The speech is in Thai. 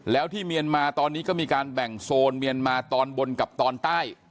แล้วที่เมียนมาตอนนี้ก็มีการแบ่งโซนเมียนมาตอนบนกับตอนใต้